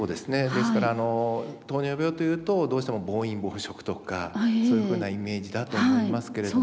ですから糖尿病というとどうしても暴飲暴食とかそういうふうなイメージだと思いますけれども。